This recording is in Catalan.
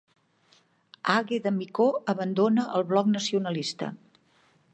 Àgueda Micó abandona el Bloc Nacionalista